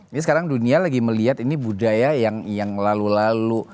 ini sekarang dunia lagi melihat ini budaya yang lalu lalu